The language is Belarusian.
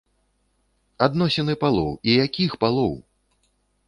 Адносіны палоў, і якіх палоў!